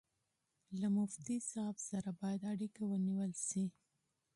له مفتي صاحب سره باید اړیکه ونیول شي.